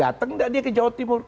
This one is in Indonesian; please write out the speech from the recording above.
datang nggak dia ke jawa timur